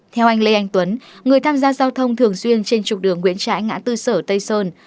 theo anh lê anh tuấn người tham gia giao thông thường xuyên trên trục đường nguyễn trãi ngã tư sở tây sơn